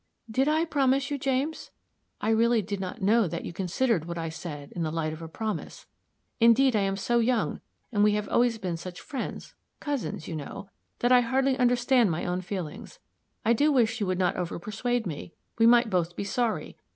"Did I promise you, James? I really did not know that you considered what I said in the light of a promise. Indeed, I am so young, and we have always been such friends cousins, you know that I hardly understand my own feelings. I do wish you would not overpersuade me; we might both be sorry.